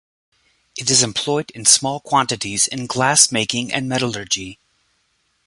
It is employed in small quantities in glass-making and metallurgy.